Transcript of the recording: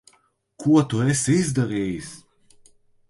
Ko tu esi izdarījis?